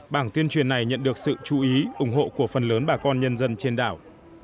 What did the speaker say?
bảng tuyên truyền này nhận được sự chú ý ủng hộ của phần lớn bà con nhân dân trên đảo